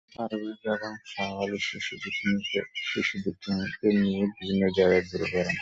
পারভেজ এবং শাহ আলী শিশু দুটিকে নিয়ে বিভিন্ন জায়গায় ঘুরে বেড়ান।